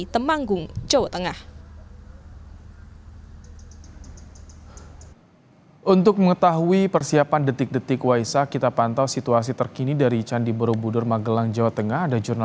yaih ibrahim sebelum saya menjawab pertanyaan anda saya akan menceritakan sedikit bagaimana